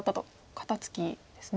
肩ツキですね。